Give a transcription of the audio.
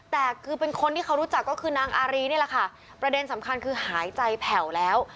แต่คือเป็นคนที่เขารู้จักก็คือนางอารีนี่แหละค่ะประเด็นสำคัญคือหายใจแผ่วแล้ว